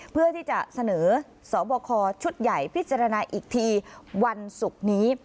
เพื่อที่จะเสนอสอบคอชุดใหญ่พิจารณาอีกทีวันศุกร์นี้